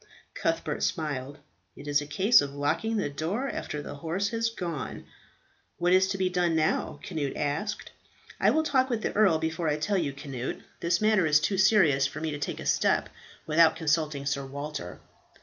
Cuthbert smiled, "It is a case of locking the door after the horse has gone." "What is to be done now?" Cnut asked. "I will talk with the earl before I tell you, Cnut. This matter is too serious for me to take a step without consulting Sir Walter."